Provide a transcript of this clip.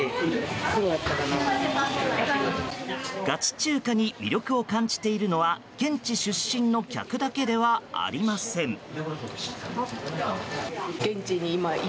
ガチ中華に魅力を感じているのは現地出身の客だけではありません。